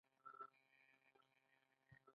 دا اثار په ملي موزیم کې ساتل کیدل